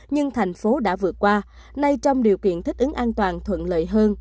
nhưng thành phố đã vượt qua nay trong điều kiện thích ứng an toàn thuận lợi hơn